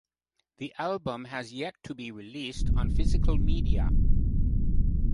The album has yet to be released on physical media.